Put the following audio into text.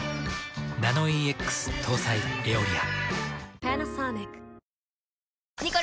ナノイーＸ搭載「エオリア」。